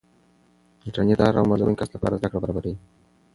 انټرنیټ د هر عمر لرونکي کس لپاره زده کړه برابروي.